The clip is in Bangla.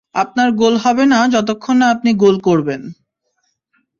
আপনার গোল হবে না যতক্ষণ না আপনি গোল করবেন!